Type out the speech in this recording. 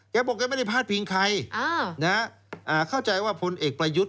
แกบอกแกไม่ได้พลาดพิงใครอ้าวนะฮะอ่าเข้าใจว่าผลเอกประยุทธ์